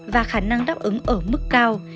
và khả năng đáp ứng ở mức cao